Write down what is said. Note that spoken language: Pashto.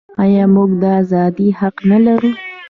آیا موږ د ازادۍ حق نلرو؟